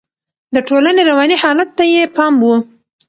د ټولنې رواني حالت ته يې پام و.